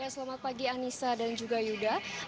selamat pagi anissa dan juga yuda